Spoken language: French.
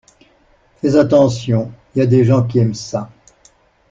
Fais attention, y a des gens qui aiment ça.